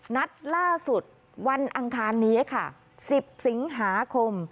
นัดล่าสุดวันอังคารนี้ค่ะ๑๐สิงหาคม